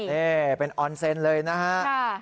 นี่เป็นออนเซนต์เลยนะครับ